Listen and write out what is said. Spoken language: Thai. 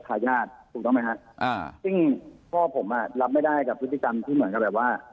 ซึ่งพ่อผมอ่ะรับไม่ได้กับพฤติกรรมที่เหมือนกับแบบว่า